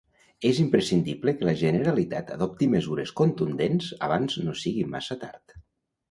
És imprescindible que la Generalitat adopti mesures contundents abans no sigui massa tard.